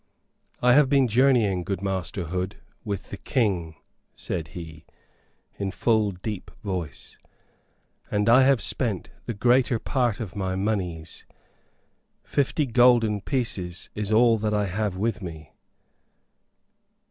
"I have been journeying, good Master Hood, with the King," said he, in full deep voice, "and I have spent the greater part of my moneys. Fifty golden pieces is all that I have with me."